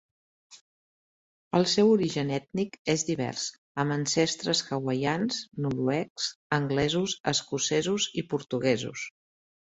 El seu origen ètnic és divers, amb ancestres hawaians, noruecs, anglesos, escocesos i portuguesos.